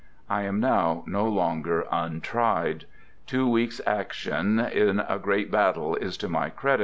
I am now no longer untried. Two weeks' action in a great battle is to my credit, and no lies.